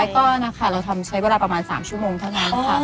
แล้วก็นะคะเราทำใช้เวลาประมาณ๓ชั่วโมงเท่านั้นค่ะ